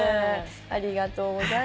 ありがとうございます。